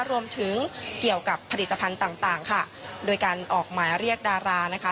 รวมถึงเกี่ยวกับผลิตภัณฑ์ต่างต่างค่ะโดยการออกหมายเรียกดารานะคะ